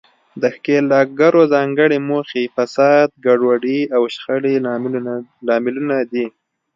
د ښکیلاکګرو ځانګړې موخې، فساد، ګډوډي او شخړې لاملونه دي.